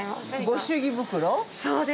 ◆ご祝儀袋？